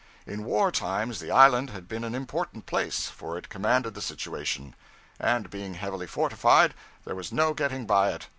In war times the island had been an important place, for it commanded the situation; and, being heavily fortified, there was no getting by it.